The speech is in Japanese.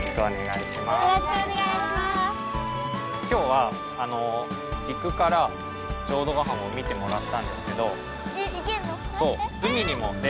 今日は陸から浄土ヶ浜を見てもらったんですけど。